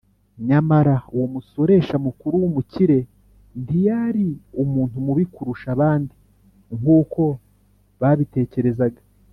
nyamara uwo musoresha mukuru w’umukire ntiyari umuntu mubi kurusha abandi nk’uko babitekerezaga